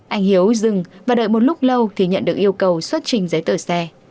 anh hiếu dừng và đợi một lúc lâu thì nhận được yêu cầu xuất trình giấy tờ xe